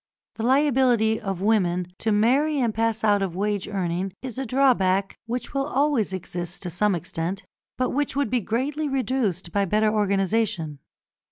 The liability of women to marry and pass out of wage earning is a drawback which will always exist to some extent, but which would be greatly reduced by better organisation.